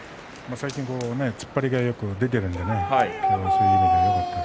最近、突っ張りがよく出ているのでね。